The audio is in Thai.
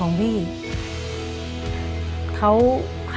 หนูอยากให้พ่อกับแม่หายเหนื่อยครับ